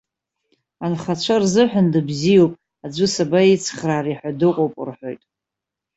Анхацәа рзыҳәан дыбзиоуп, аӡәы сабаицхраари ҳәа дыҟоуп рҳәоит.